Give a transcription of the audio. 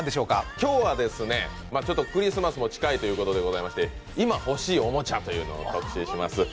今日はですね、クリスマスも近いということでございまして今欲しいおもちゃを特集します。